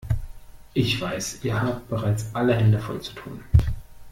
Ich weiß, ihr habt bereits alle Hände voll zu tun.